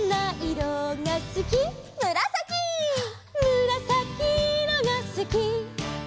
「むらさきいろがすき」